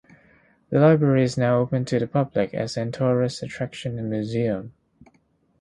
The library is now open to the public as an tourist attraction and museum.